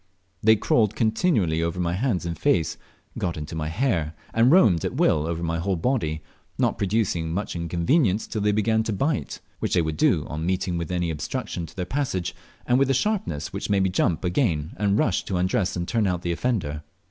They crawled continually over my hands and face, got into my hair, and roamed at will over my whole body, not producing much inconvenience till they began to bite, which they would do on meeting with any obstruction to their passage, and with a sharpness which made me jump again and rush to undress and turn out the offender.